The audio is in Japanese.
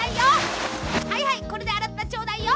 はいはいこれであらってちょうだいよ。